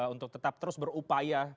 untuk tetap terus berupaya